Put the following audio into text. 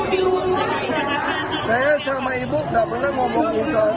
bicara dengan ibu sendiri bagaimana dengan suratnya